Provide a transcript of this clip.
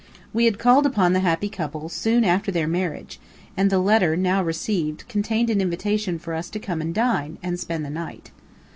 We had called upon the happy couple soon after their marriage, and the letter, now received, contained an invitation for us to come and dine, and spend the night.